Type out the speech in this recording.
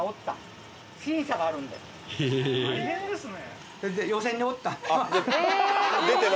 大変ですね。